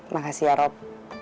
makasih ya rok